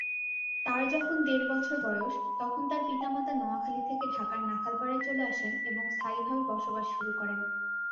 তার যখন দেড় বছর বয়স, তখন তার পিতামাতা নোয়াখালী থেকে ঢাকার নাখালপাড়ায় চলে আসেন এবং স্থায়ীভাবে বসবাস শুরু করেন।